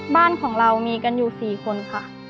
บ้านของเรามีกันอยู่๔คนค่ะ